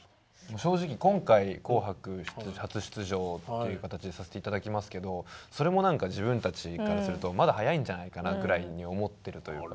正直今回「紅白」初出場っていう形にさせて頂きますけどそれも何か自分たちからするとまだ早いんじゃないかなぐらいに思ってるというか。